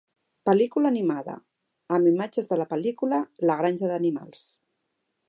"Pel·lícula animada": amb imatges de la pel·lícula "La granja d'animals"